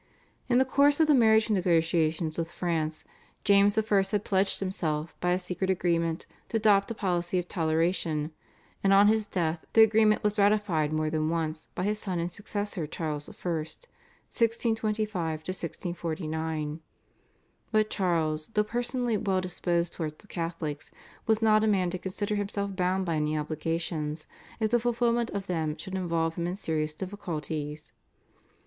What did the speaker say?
In the course of the marriage negotiations with France James I. had pledged himself by a secret agreement to adopt a policy of toleration, and on his death the agreement was ratified more than once by his son and successor Charles I. (1625 1649). But Charles, though personally well disposed towards the Catholics, was not a man to consider himself bound by any obligations if the fulfilment of them should involve him in serious difficulties.